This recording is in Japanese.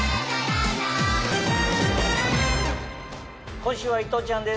今週は伊藤ちゃんです